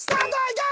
行け！